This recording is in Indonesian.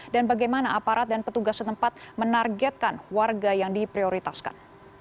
dan bagaimana aparat dan petugas setempat menargetkan warga yang diprioritaskan